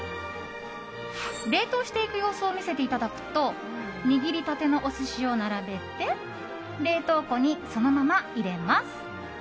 冷凍していく様子を見せていただくと握りたてのお寿司を並べて冷凍庫にそのまま入れます。